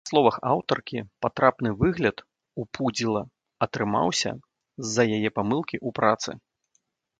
Па словах аўтаркі, патрапаны выгляд у пудзіла атрымаўся з-за яе памылкі ў працы.